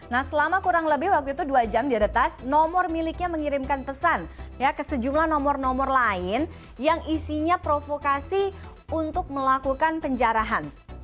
nah selama kurang lebih waktu itu dua jam diretas nomor miliknya mengirimkan pesan ke sejumlah nomor nomor lain yang isinya provokasi untuk melakukan penjarahan